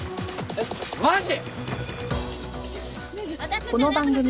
えっマジ！？